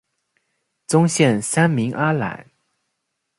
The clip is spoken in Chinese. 宗宪三名阿懒。